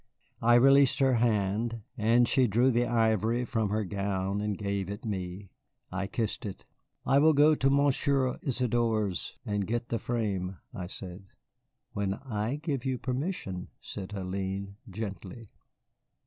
I released her hand, and she drew the ivory from her gown and gave it me. I kissed it. "I will go to Monsieur Isadore's and get the frame," I said. "When I give you permission," said Hélène, gently.